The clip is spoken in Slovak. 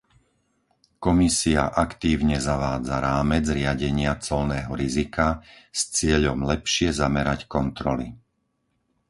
Komisia aktívne zavádza rámec riadenia colného rizika s cieľom lepšie zamerať kontroly.